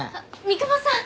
三雲さん